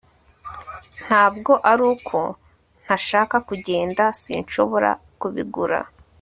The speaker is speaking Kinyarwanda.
ntabwo ari uko ntashaka kugenda, sinshobora kubigura